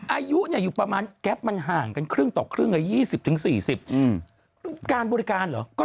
อายุอยู่ประมาณแก๊ปมันห่างกันครึ่งต่อครึ่งใน๒๐ถึง๔๐อืมการบริการหรอก็